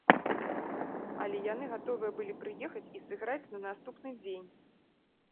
Але яны гатовыя былі прыехаць і сыграць на наступны дзень!